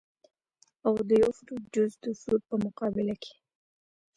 او د يو فروټ جوس د فروټ پۀ مقابله کښې